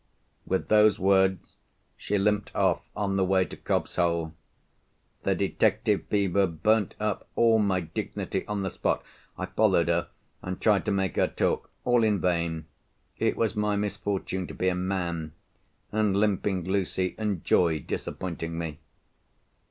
With those words she limped off on the way to Cobb's Hole. The detective fever burnt up all my dignity on the spot. I followed her, and tried to make her talk. All in vain. It was my misfortune to be a man—and Limping Lucy enjoyed disappointing me.